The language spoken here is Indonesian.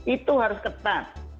itu harus ketat